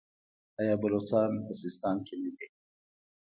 آیا بلوڅان په سیستان کې نه دي؟